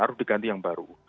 harus diganti yang baru